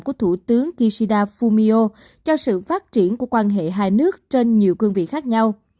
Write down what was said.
của thủ tướng kishida fumio cho sự phát triển của quan hệ hai nước trên nhiều cương vị khác nhau